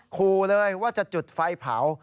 ขู่เลยว่าจะจุดไฟเผา